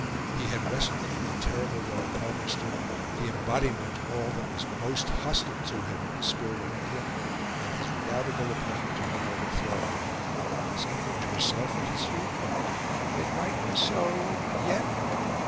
He had wrestled with the terrible Lord Palmerston, the embodiment of all that was most hostile to him in the spirit of England, and his redoubtable opponent had been overthrown. Was England herself at his feet? It might be so; and yet...